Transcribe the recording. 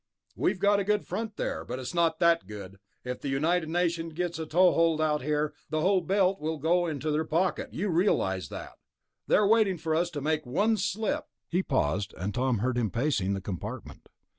We've got a good front there, but it's not that good. If the United Nations gets a toehold out here, the whole Belt will go into their pocket, you realize that. They're waiting for us to make one slip." He paused, and Tom heard him pacing the compartment.